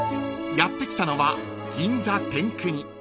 ［やって来たのは銀座天國］